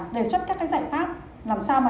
đề xuất các cái giải pháp làm sao mà